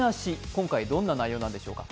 今回、どんな内容でしょうか。